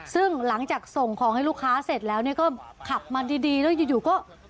ซึ่งหลังจากส่งของให้ลูกค้าเสร็จแล้วเนี่ยก็ขับมาดีแล้วอยู่ก็